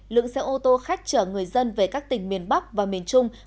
lượng xe ô tô khách chở người dân về các tỉnh miền bắc và miền trung